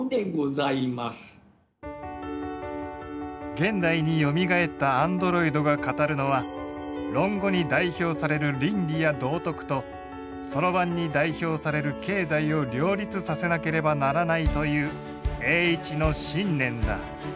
現代によみがえったアンドロイドが語るのは「論語」に代表される倫理や道徳と算盤に代表される経済を両立させなければならないという栄一の信念だ。